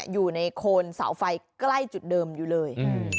อยู่ในโคนเสาไฟใกล้จุดเดิมอยู่เลย